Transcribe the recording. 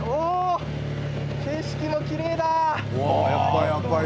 景色もきれいだ。